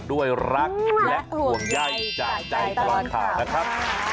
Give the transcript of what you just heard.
ด้วยรักและห่วงใยจากใจตลอดข่าวนะครับ